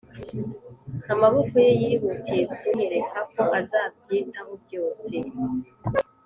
amaboko ye yihutiye kunyereka ko azabyitaho byose.